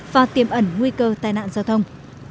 và tiềm ẩn nguy cơ tai nạn giao thông